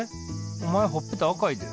お前ほっぺた赤いで。